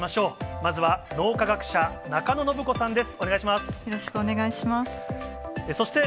まずは脳科学者、中野信子さんです。